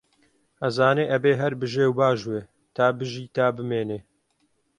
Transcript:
ئەزانێ ئەبێ هەر بژێ و باژوێ، تا بژی تا بمێنێ